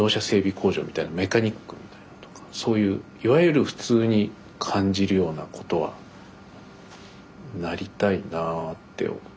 工場みたいなメカニックみたいなのとかそういういわゆる普通に感じるようなことはなりたいなあって